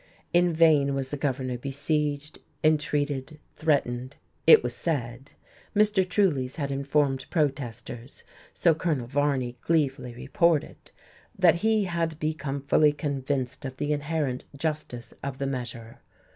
In vain was the Governor besieged, entreated, threatened, it was said; Mr. Trulease had informed protesters so Colonel Varney gleefully reported that he had "become fully convinced of the inherent justice of the measure."